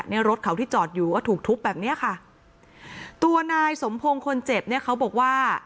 รถเขาที่จอดอยู่ก็ถูกทุบแบบเนี้ยค่ะตัวนายสมพงศ์คนเจ็บเนี่ยเขาบอกว่า